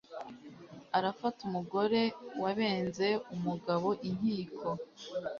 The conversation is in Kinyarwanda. Arafata umugore Wabenze umugabo i Nkiko,